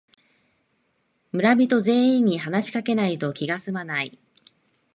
村人全員に話しかけないと気がすまない